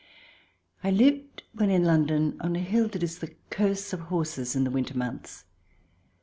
I lived, when in London, on a hill that is the curse of horses in the winter months.